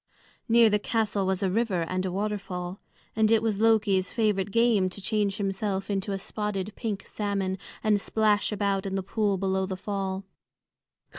Near the castle was a river and a waterfall, and it was Loki's favorite game to change himself into a spotted pink salmon and splash about in the pool below the fall.